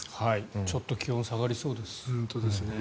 ちょっと気温下がりそうです。